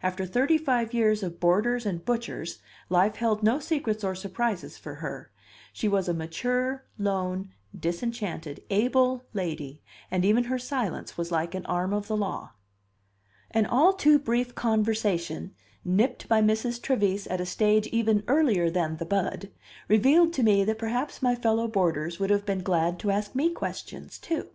After thirty five years of boarders and butchers, life held no secrets or surprises for her; she was a mature, lone, disenchanted, able lady, and even her silence was like an arm of the law. An all too brief conversation, nipped by Mrs. Trevise at a stage even earlier than the bud, revealed to me that perhaps my fellow boarders would have been glad to ask me questions, too.